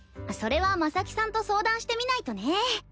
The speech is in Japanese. それは真咲さんと相談してみないとね。